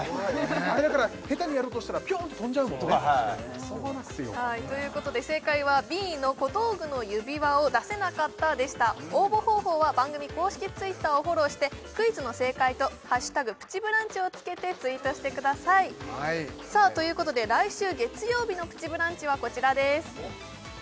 あれだから下手にやろうとしたらピョンって飛んじゃうもんねということで正解はＢの「小道具の指輪を出せなかった」でした応募方法は番組公式Ｔｗｉｔｔｅｒをフォローしてクイズの正解と「＃プチブランチ」をつけてツイートしてくださいということで来週月曜日の「プチブランチ」はこちらです